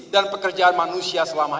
dan pekerjaan manusia selama ini